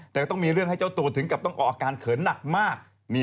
แต่ก็ต้องมีเรื่องให้เจ้าตัวถึงกับต้องออกอาการเขินหนักมาก